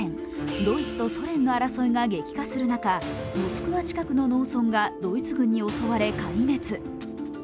ドイツとソ連の争いが激化する中、モスクワ近くの農村がドイツ軍に襲われ、壊滅。